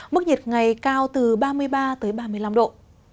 mức nhiệt ngày cao từ ba mươi ba ba mươi năm độ